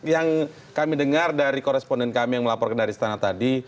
yang kami dengar dari koresponden kami yang melaporkan dari istana tadi